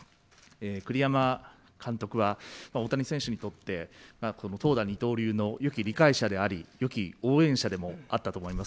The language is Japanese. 栗山監督は大谷選手にとって、投打二刀流のよく理解者でありよき応援者でもあったと思います。